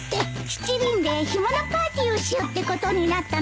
七輪で干物パーティーをしようってことになったの。